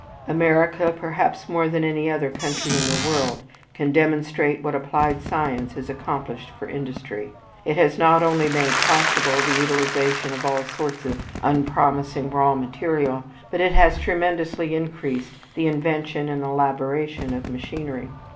America perhaps more than any other country in the world can demonstrate what applied science has accomplished for industry; it has not only made possible the utilization of all sorts of unpromising raw material, but it has tremendously increased the invention and elaboration of machinery.